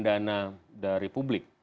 dari dana dari publik